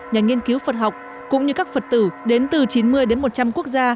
nhà nghiên cứu phật học cũng như các phật tử đến từ chín mươi đến một trăm linh quốc gia